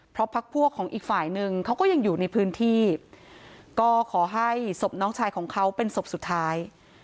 เพราะพักพวกของอีกฝ่ายนึงเขาก็ยังอยู่ในพื้นที่ก็ขอให้ศพน้องชายของเขาเป็นศพสุดท้าย